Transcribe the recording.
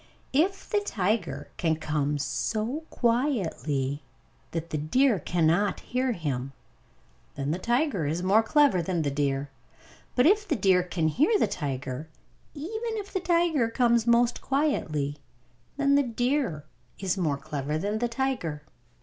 If the tiger can come so quietly that the deer cannot hear him, then the tiger is more clever than the deer. But if the deer can hear the tiger, even if the tiger comes most quietly, then the deer is more clever than the tiger.